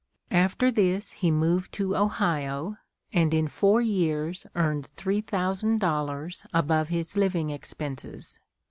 After this he moved to Ohio, and in four years earned three thousand dollars above his living expenses.